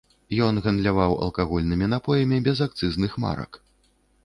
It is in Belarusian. Ён гандляваў алкагольнымі напоямі без акцызных марак.